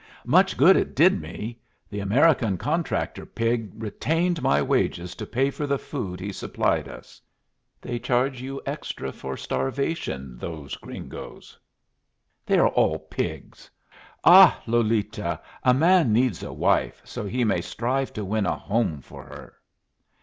"Much good it did me! The American contractor pig retained my wages to pay for the food he supplied us. They charge you extra for starvation, those gringos. They are all pigs. Ah, Lolita, a man needs a wife, so he may strive to win a home for her."